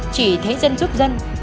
chỉ thấy dân giúp dân